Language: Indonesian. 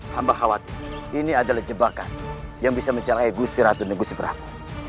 hamba khawatir ini adalah jebakan yang bisa mencerai gusti ratu dan gusti prabu